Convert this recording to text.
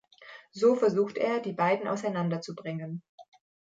So versucht er, die beiden auseinanderzubringen.